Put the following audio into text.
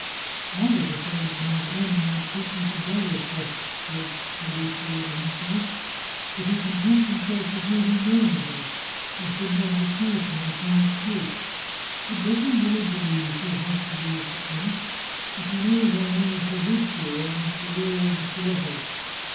" I was afraid Count M might treat me to dagger thrusts," said Fabrizio to himself, " but he contents himself with making game of me. I should not have accused him of so much taste. But does he really believe he has to do with the prince ? If he knows I am only Fabrizio, I must beware of the stiletto."